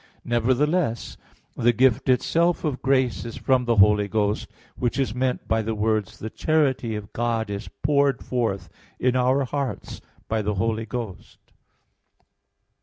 Nevertheless the gift itself of grace is from the Holy Ghost; which is meant by the words, "the charity of God is poured forth in our hearts by the Holy Ghost."